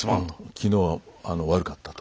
昨日は悪かったと。